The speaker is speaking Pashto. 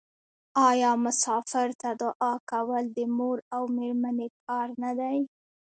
آیا مسافر ته دعا کول د مور او میرمنې کار نه دی؟